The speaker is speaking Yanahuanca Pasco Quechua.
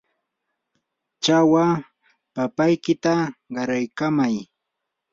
chawa papaykita qaraykamay.